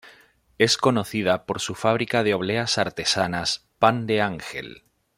Es conocida por su fábrica de obleas artesanas "Pan de Ángel".